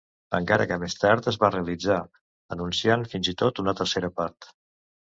Encara que més tard es va realitzar, anunciant fins i tot una tercera part.